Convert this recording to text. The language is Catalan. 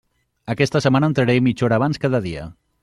Aquesta setmana entraré mitja hora abans cada dia.